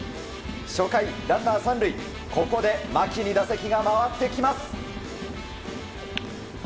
初回、ランナー３塁ここで牧に打席が回ってきます。